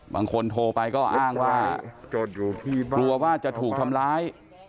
บางคนโทรไปก็อ้างว่ากลัวว่าจะถูกทำร้าย